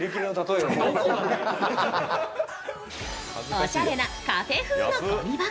おしゃれなカフェ風のごみ箱。